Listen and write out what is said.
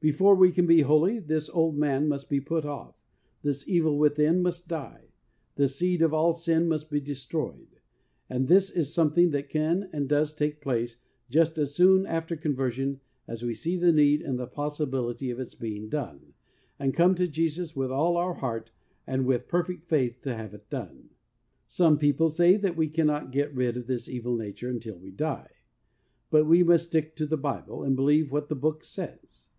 Before we can be holy, this ' old man ' must be put off, this evil within must die, this seed of all sin must be destroyed, and this is something that can and does take place just as soon after conversion as we see the need and the possibility of its being done, and come to Jesus with all our heart, and with perfect faith to have it done. Some people say that we cannot get rid of this evil nature until we die ; but we must stick to the Bible, and believe what that Book says.